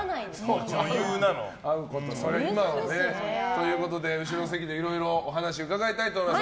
ということで後ろの席でいろいろお話伺いたいと思います。